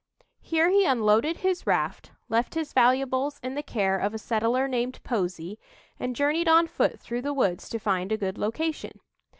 Here he unloaded his raft, left his valuables in the care of a settler named Posey and journeyed on foot through the woods to find a good location.